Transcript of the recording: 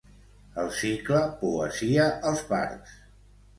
El cicle Poesia als parcs.